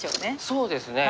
そうですね。